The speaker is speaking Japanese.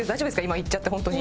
今行っちゃって本当に。